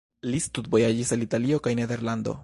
Li studvojaĝis al Italio kaj Nederlando.